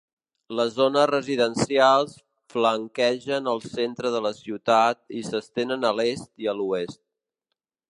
Les zones residencials flanquegen el centre de la ciutat i s'estenen a l'est i a l'oest.